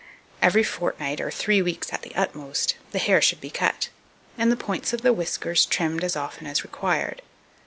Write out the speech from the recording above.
Every fortnight, or three weeks at the utmost, the hair should be cut, and the points of the whiskers trimmed as often as required.